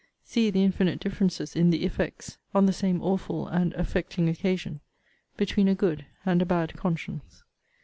See the infinite differences in the effects, on the same awful and affecting occasion, between a good and a bad conscience!